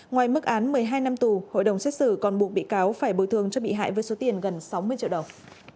ngoài mức án một mươi hai năm tù hội đồng xét xử còn buộc bị cáo phải bồi thường cho bị hại với số tiền gần sáu mươi triệu đồng